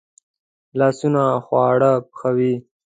لاسونه خواړه پخوي